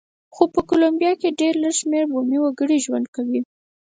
خو په کولمبیا کې ډېر لږ شمېر بومي وګړي ژوند کوي.